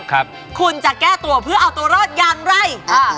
คุณจะแก้ตัวเพื่อใส่รถอย่างอะไร